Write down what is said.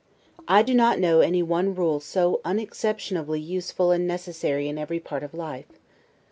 W.]. I do not know any one rule so unexceptionably useful and necessary in every part of life.